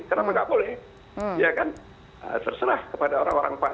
kalau tidak boleh ya kan terserah kepada orang orang pan